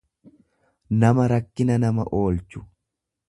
nama rakkina nama. oolchu.